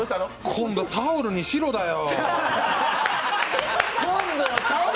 今度、タオルに白だよ！